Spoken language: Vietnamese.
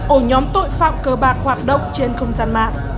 ổ nhóm tội phạm cơ bạc hoạt động trên không gian mạng